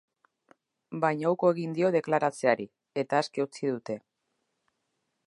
Baina uko egin dio deklaratzeari, eta aske utzi dute.